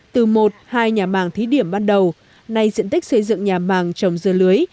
từ một hai nhà màng thí điểm ban đầu nay diện tích xây dựng nhà màng trồng dưa lưới